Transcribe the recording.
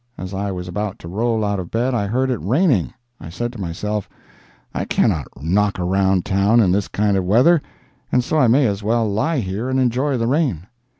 As I was about to roll out of bed I heard it raining. I said to myself, I cannot knock around town in this kind of weather, and so I may as well lie here and enjoy the rain.